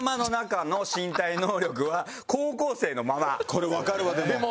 これわかるわでも。